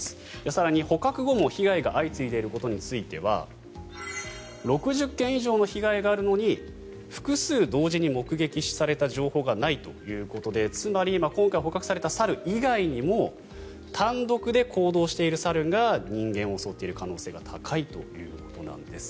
更に、捕獲後も被害が相次いでいる可能性があることについては６０件以上の被害があるのに複数同時に目撃された情報がないということでつまり今回捕獲された猿以外にも単独で行動している猿が人間を襲っている可能性が高いということなんです。